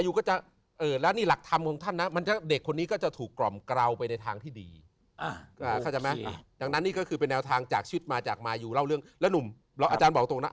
อย่างนั้นนี่ก็คือเป็นแนวทางจากชีวิตมาจากมายูเล่าเรื่องแล้วหนุ่มแล้วอาจารย์บอกตรงนั้น